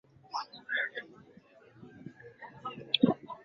kwa kutumia wanyama kama mfano wa kazi amilifu za ubongo